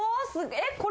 えっ？これ。